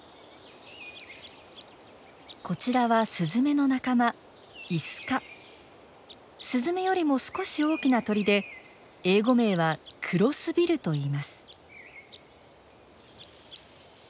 こちらはスズメの仲間スズメよりも少し大きな鳥で英語名はクロスビルといいます。